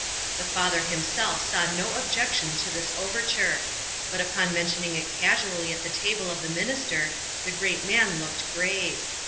The father himself saw no objection to this overture; but upon mentioning it casually at the table of the minister, the great man looked grave.